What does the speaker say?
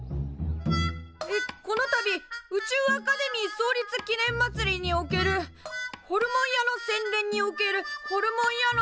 えっ「このたび宇宙アカデミー創立記念まつりにおけるホルモン屋の宣伝におけるホルモン屋の宣伝」。